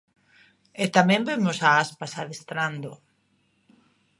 E tamén vemos a Aspas adestrando.